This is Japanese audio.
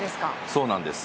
そうなんです。